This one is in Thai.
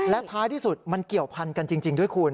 และท้ายที่สุดมันเกี่ยวพันกันจริงด้วยคุณ